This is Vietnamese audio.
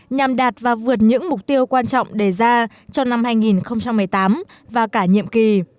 nhằm đạt và vượt những mục tiêu quan trọng đề ra cho năm hai nghìn một mươi tám và cả nhiệm kỳ